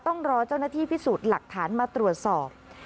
ต้องรอเจ้าหน้าที่พิสูจน์หลักฐานมาตรวจสอบ